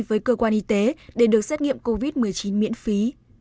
với cơ quan y tế để được xét nghiệm covid một mươi chín miễn phí